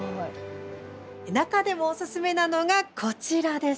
中でもおすすめなのがこちらです。